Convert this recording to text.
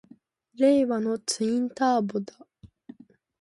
令和のツインターボだ！